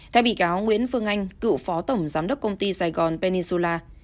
theo bị cáo nguyễn phương anh cựu phó tổng giám đốc công ty sài gòn peninsula